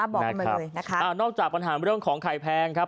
บอกกันมาเลยนะคะอ่านอกจากปัญหาเรื่องของไข่แพงครับ